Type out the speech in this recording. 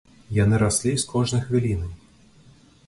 Яны раслі з кожнай хвілінай.